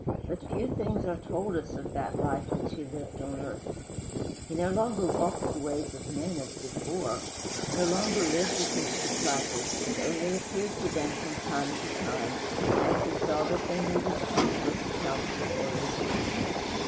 But few things are told us of that life which he lived on earth. He no longer walked the ways of men as before no longer lived with his disciples, but only appeared to them from time to time, as he saw that they needed comfort, counsel, or rebuke.